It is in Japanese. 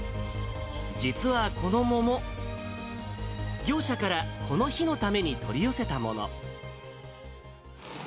実はこの桃、業者からこの日のために取り寄せたもの。